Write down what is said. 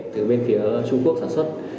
từ bên phía trung quốc sản xuất